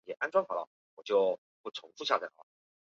郝崇寿的葬礼在淮安举行。